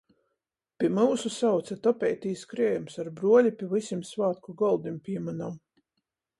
Pi myusu sauce - topeitīs kriejums. Ar bruoli pi vysim svātku goldim pīmynom!